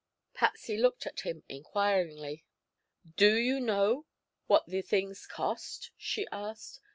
Patsy looked at him inquiringly. "Do you know what the things cost?" she asked.